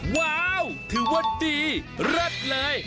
ว้าวถือว่าดีเลิศเลย